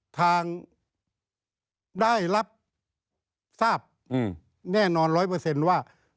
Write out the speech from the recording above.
ทางได้รับทราบแน่นอนร้อยเปอร์เซ็นต์ว่า